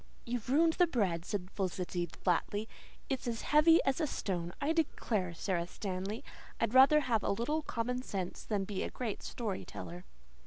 "You've ruined the bread," said Felicity flatly. "It's as heavy as a stone. I declare, Sara Stanley, I'd rather have a little common sense than be a great story teller."